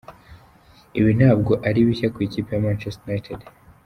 Ibi ntabwo ari bishya ku ikipe ya Manchester United.